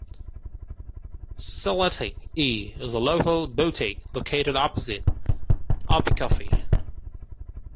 Eclectic E is the local boutique located opposite Oppikoffie.